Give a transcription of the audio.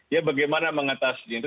ya bagaimana mengatasi itu